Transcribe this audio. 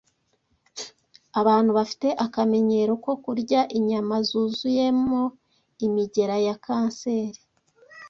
Abantu bafite akamenyero ko kurya inyama zuzuyemo imigera ya kanseri